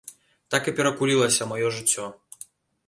Так і перакулілася маё жыццё.